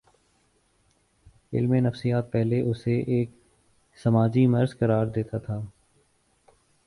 علم نفسیات پہلے اسے ایک سماجی مرض قرار دیتا تھا۔